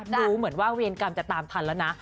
ดูเหมือนว่าเวรกรรมจะตามทันแล้วนะ